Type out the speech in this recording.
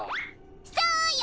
そうよ！